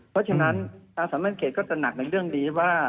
เพราะฉะนั้นประสานแม่งเขตก็จะหนักในเรื่องนี้ว่า